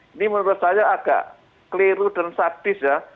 ini menurut saya agak keliru dan sadis ya